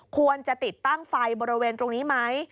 ควรจะติดตั้งไฟบริเวณตรงนี้ไหม